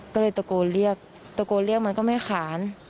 ก็เลยตะโกนเรียกตะโกนเรียกมันก็ไม่ขาน